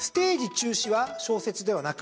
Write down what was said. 中止は小説ではなく？